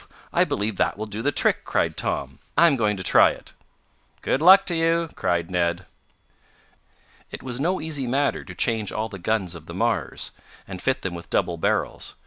I believe that will do the trick!" cried Tom. "I'm going to try it." "Good luck to you!" cried Ned. It was no easy matter to change all the guns of the Mars, and fit them with double barrels.